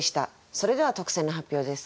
それでは特選の発表です。